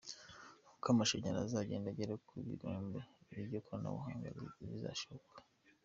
Uko amashanyarazi azagenda agera ku birombe, n’iryo koranabuhanga rizashoboka.